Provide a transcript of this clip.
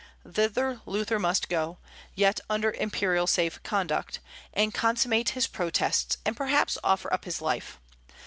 Thither Luther must go, yet under imperial safe conduct, and consummate his protests, and perhaps offer up his life.